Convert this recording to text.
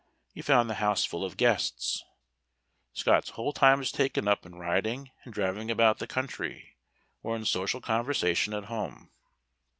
He found the house full of guests. Scott's whole time was taken up in riding and driving about the country, or in social conversation at home.